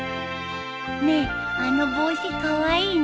ねえあの帽子カワイイね。